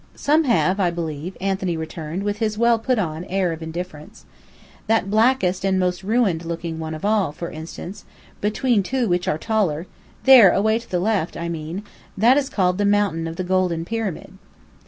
"Some have, I believe," Anthony returned, with his well put on air of indifference. "That blackest and most ruined looking one of all, for instance, between two which are taller there, away to the left, I mean that is called the 'Mountain of the Golden Pyramid.'"